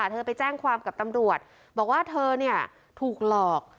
เธอไปแจ้งความกับตำรวจบอกว่าเธอถูกหลอก